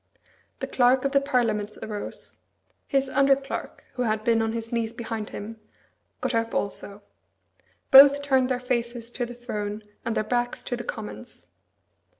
The Clerk of the Parliaments arose. His under clerk, who had been on his knees behind him, got up also. Both turned their faces to the throne, and their backs to the Commons.